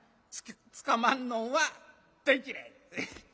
つかまんのんは大嫌い。